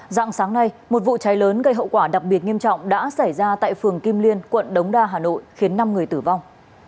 dạng sáng nay một vụ cháy lớn gây hậu quả đặc biệt nghiêm trọng đã xảy ra tại phường kim liên quận đống đa hà nội khiến năm người tử vong